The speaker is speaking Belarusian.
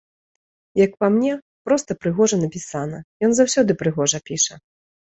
Як па мне, проста прыгожа напісана, ён заўсёды прыгожа піша.